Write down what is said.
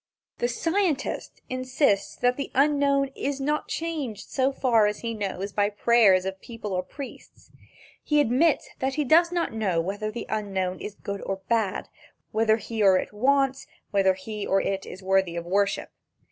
The scientist insist that the Unknown is not changed so far as he knows by prayers of people or priests. He admits that he does not know whether the Unknown is good or bad whether he, or it, wants or whether he, or it, is worthy of worship.